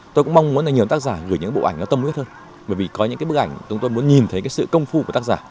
tôi cũng mong muốn là nhiều tác giả gửi những bộ ảnh nó tâm huyết hơn bởi vì có những cái bức ảnh chúng tôi muốn nhìn thấy cái sự công phu của tác giả